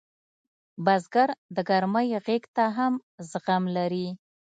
بزګر د ګرمۍ غېږ ته هم زغم لري